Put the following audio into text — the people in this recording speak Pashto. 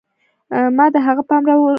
ما د هغه پام راوڅکاوه